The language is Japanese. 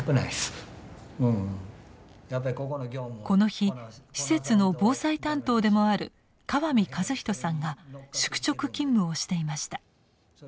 この日施設の防災担当でもある川見和人さんが宿直勤務をしていました。